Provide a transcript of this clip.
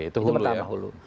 itu pertama hulu